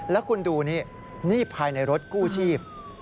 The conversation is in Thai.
แล้วคุณดูนี่นี่ภายในรถกู้ชีพ